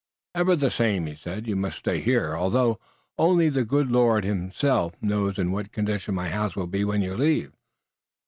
"Ever the same," he said. "You must stay here, although only the good Lord himself knows in what condition my house will be when you leave.